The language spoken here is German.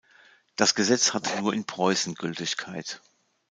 Das Gesetz hatte nur in Preußen Gültigkeit.